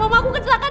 mama aku kecelakaan